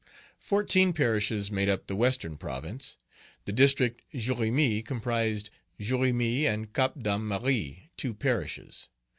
Fourteen parishes made up the western province. The District Jérémie comprised Jérémie and Cap Dame Marie, two parishes.